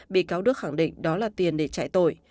bị cáo đức khẳng định đó là tiền để chạy tội